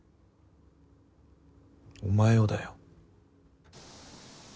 お前をだよ。